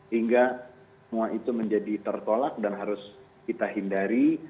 hingga semua itu menjadi tertolak dan harus kita hindari